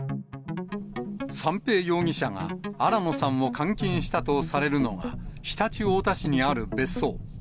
三瓶容疑者が新野さんを監禁したとされるのが、常陸太田市にある別荘。